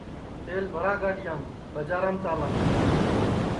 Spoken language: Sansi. تیل بھرا گاڈؔیام ٻجارام چالاں